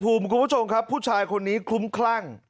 คุณผู้ชมครับผู้ชายคนนี้คลุ้มคลั่ง